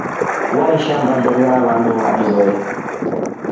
Waishamba mbele ya vandu vatrue.